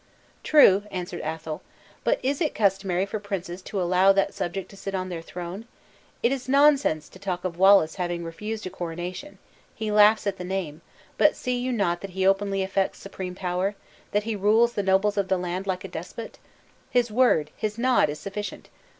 "True," answered Athol; "but is it customary for princes to allow that subject to sit on their throne? It is nonsense to talk of Wallace having refused a coronation. He laughs at the name; but see you not that he openly affects supreme power; that he rules the nobles of the land like a despot? His word, his nod is sufficient!